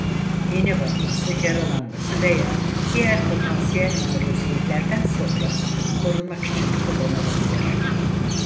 İğne batması yaralanması veya diğer potansiyel maruziyetlerden sonra korunmak için kullanılabilir.